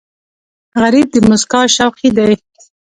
غریب د موسکا شوقي دی